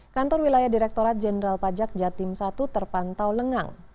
kantor wilayah direktorat jenderal pajak jatim satu terpantau lengang